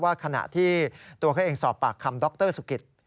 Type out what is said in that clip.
ว่าขณะที่ตัวเค้าเองสอบปากคำด็อกเตอร์สุกิศ